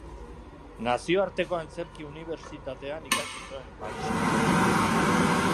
Nazioarteko Antzerki Unibertsitatean ikasi zuen Parisen.